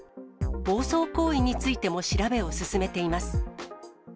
暴走行為についても調べを進めています。